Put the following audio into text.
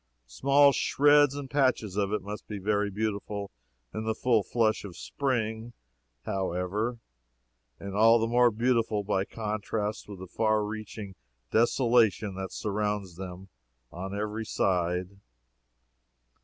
Small shreds and patches of it must be very beautiful in the full flush of spring, however, and all the more beautiful by contrast with the far reaching desolation that surrounds them on every side.